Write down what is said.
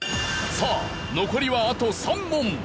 さあ残りはあと３問。